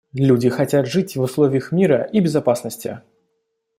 Люди хотят жить в условиях мира и безопасности.